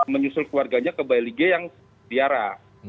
menyusul keluarganya ke balige yang tiara